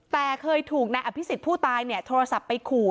แต่เคยถูกนายอภิษฎผู้ตายเนี่ยโทรศัพท์ไปขู่